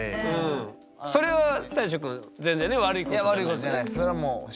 それは大昇君全然ね悪いことじゃない。